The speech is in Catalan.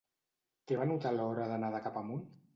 Què va notar a l'hora de nedar cap amunt?